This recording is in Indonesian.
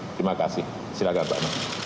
terima kasih silakan pak